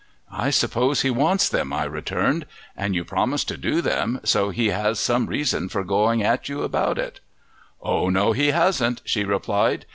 "I suppose he wants them," I returned, "and you promised to do them, so he has some reason for going at you about it." "Oh no, he hasn't," she replied.